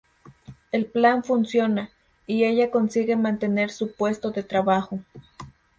El plan funciona, y ella consigue mantener su puesto de trabajo.